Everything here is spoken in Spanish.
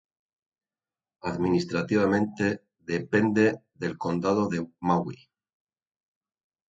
Administrativamente depende del condado de Maui.